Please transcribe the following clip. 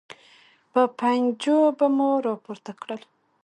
په پنجو به مو راپورته کړل.